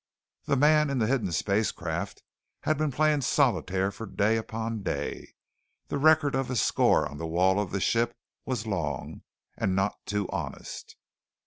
The man in the hidden spacecraft had been playing solitaire for day upon day; the record of his score on the wall of the ship was long and not too honest.